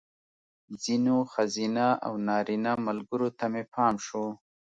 ځینو ښځینه او نارینه ملګرو ته مې پام شو.